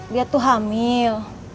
dia tuh hamil